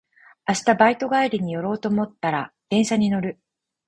明日バイト帰り寄ろうと思ったら電車に乗る